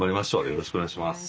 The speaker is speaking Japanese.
よろしくお願いします。